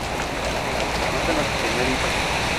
Matan a su primer hijo.